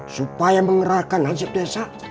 supaya mengerahkan najib desa